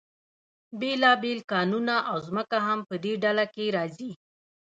بیلابیل کانونه او ځمکه هم په دې ډله کې راځي.